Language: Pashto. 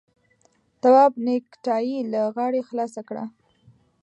تواب نېکټايي له غاړې خلاصه کړه.